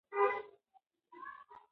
سياسي نفوذ له منځه تللی و.